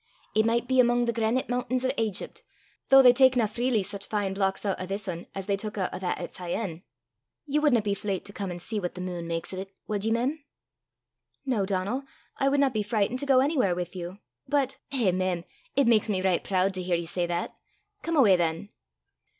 It micht be amo' the grenite muntains o' Aigypt, though they takna freely sic fine blocks oot o' this ane as they tuik oot o' that at Syene. Ye wadna be fleyt to come an' see what the meen maks o' 't, wad ye, mem?" "No, Donal. I would not be frightened to go anywhere with you. But " "Eh, mem! it maks me richt prood to hear ye say that. Come awa than."